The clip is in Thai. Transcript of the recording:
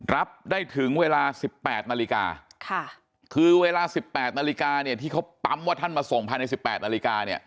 รับได้ถึงเวลา๑๘นาฬิกาคือเวลา๑๘นาฬิกาเนี่ยที่เขาปั๊มว่าท่านมาส่งภายใน๑๘นาฬิกาเนี่ย